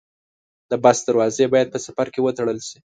د بس دروازې باید په سفر کې وتړل شي.